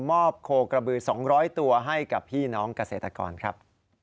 โคกระบือ๒๐๐ตัวให้กับพี่น้องเกษตรกรครับ